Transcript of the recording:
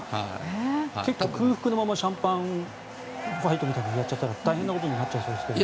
空腹のままシャンパンファイトやっちゃったら大変なことになっちゃいそうですけど。